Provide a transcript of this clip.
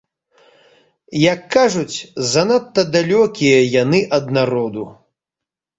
Як кажуць, занадта далёкія яны ад народу.